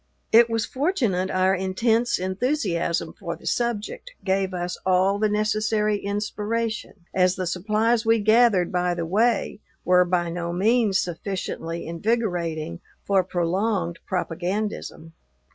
It was fortunate our intense enthusiasm for the subject gave us all the necessary inspiration, as the supplies we gathered by the way were by no means sufficiently invigorating for prolonged propagandism.